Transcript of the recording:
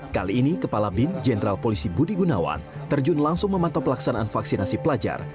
kali ini kepala bin jenderal polisi budi gunawan terjun langsung memantau pelaksanaan vaksinasi pelajar